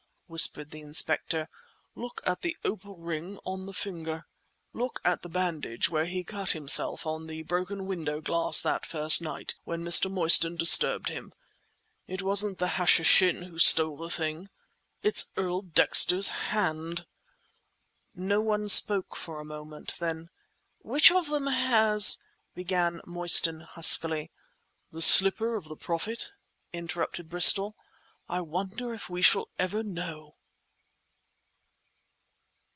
whispered the inspector—"look at the opal ring on the finger! Look at the bandage where he cut himself on the broken window glass that first night, when Mr. Mostyn disturbed him. It wasn't the Hashishin who stole the thing.... It's Earl Dexter's hand!" No one spoke for a moment. Then— "Which of them has—" began Mostyn huskily. "The slipper of the Prophet?" interrupted Bristol. "I wonder if we shall ever know?"